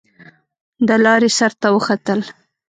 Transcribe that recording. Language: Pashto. د لارۍ سر ته وختل.